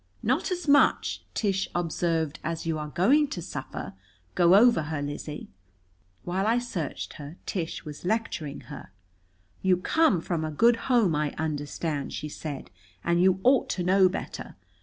"Not as much," Tish observed, "as you are going to suffer. Go over her, Lizzie." While I searched her, Tish was lecturing her. "You come from a good home, I understand," she said, "and you ought to know better.